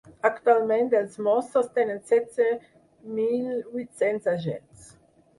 Actualment els mossos tenen setze mil vuit-cents agents.